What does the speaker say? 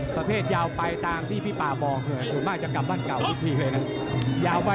ประเภทยาวไปตามที่พี่ป่าบอกส่วนมากจะกลับบ้านเก่าทุกทีเลยนะ